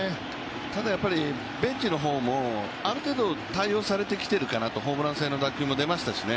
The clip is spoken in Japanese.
ただ、ベンチの方もある程度対応されてきているのかなと、ホームラン性の打球も出ましたしね。